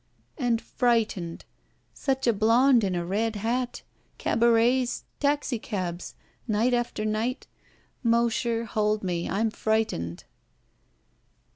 "And frightened. Such a blonde in a red hat. Cabarets. Taxicabs. Night after night. Mosher, hold me. I'm frightened."